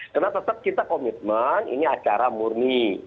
karena tetap kita komitmen ini acara murni